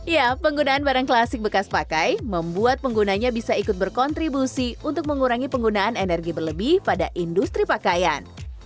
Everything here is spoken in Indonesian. ya penggunaan barang klasik bekas pakai membuat penggunanya bisa ikut berkontribusi untuk mengurangi penggunaan energi berlebih pada industri pakaian